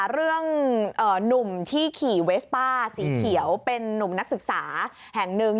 หนุ่มที่ขี่เวสป้าสีเขียวเป็นนุ่มนักศึกษาแห่งหนึ่ง